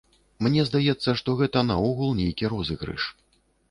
Мне здаецца, што гэта наогул нейкі розыгрыш!